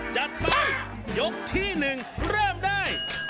จัดไปยกที่๑เริ่มได้